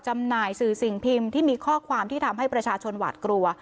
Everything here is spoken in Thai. จำหน่ายสื่อสิ่งพิมพ์ที่มีข้อความที่ทำให้ประชาชนหวาดกลัว